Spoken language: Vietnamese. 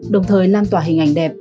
đồng thời lan tỏa hình ảnh đẹp